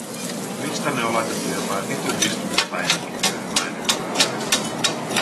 Äänestämme nyt esitellystä päätöslauselmaesityksestä.